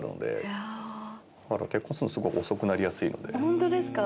ホントですか？